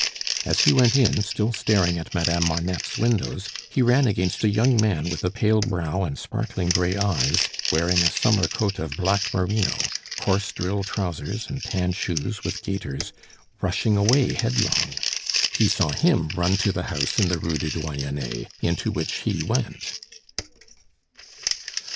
As he went in, still staring at Madame Marneffe's windows, he ran against a young man with a pale brow and sparkling gray eyes, wearing a summer coat of black merino, coarse drill trousers, and tan shoes, with gaiters, rushing away headlong; he saw him run to the house in the Rue du Doyenne, into which he went.